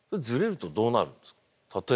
ずれるとどうなるんですか？